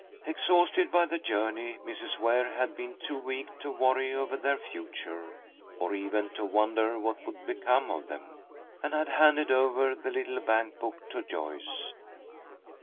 Exhausted by the journey, Mrs. Ware had been too weak to worry over their future, or even to wonder what would become of them, and had handed over the little bank book to Joyce.